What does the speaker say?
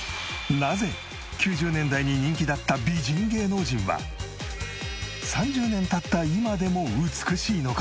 なぜ９０年代に人気だった美人芸能人は３０年経った今でも美しいのか？